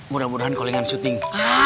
mudah mudahan callingan syuting